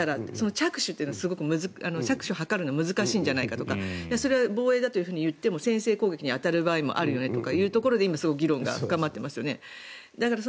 着手というのは着手を測るのは難しいんじゃないかとかそれは防衛だといっても先制攻撃に当たるところもあるよねというところですごい議論が深まってますよね。